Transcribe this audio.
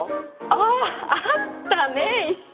ああったね一瞬。